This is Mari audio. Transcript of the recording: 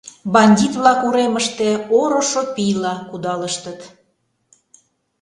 Бандит-влак уремыште орышо пийла кудалыштыт.